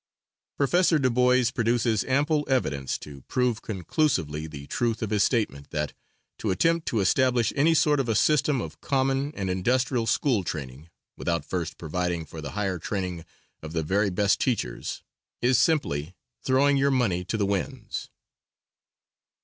Prof. DuBois produces ample evidence to prove conclusively the truth of his statement that "to attempt to establish any sort of a system of common and industrial school training, without first providing for the higher training of the very best teachers, is simply throwing your money to the winds." [Illustration: W.E. BURGHARDT DuBOIS.